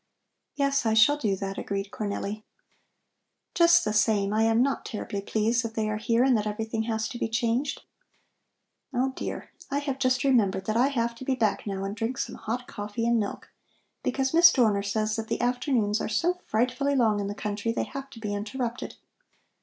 "Yes, I shall do that," agreed Cornelli. "Just the same, I am not terribly pleased that they are here and that everything has to be changed. Oh dear, I have just remembered that I have to be back now and drink some hot coffee and milk, because Miss Dorner says that the afternoons are so frightfully long in the country they have to be interrupted.